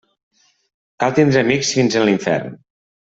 Cal tindre amics fins en l'infern.